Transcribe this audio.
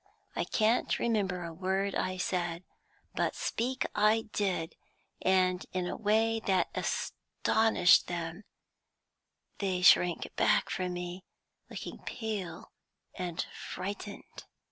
I can't remember a word I said, but speak I did, and in a way that astonished them; they shrank back from me, looking pale and frightened.